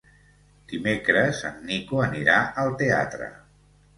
Dimecres en Nico anirà al teatre.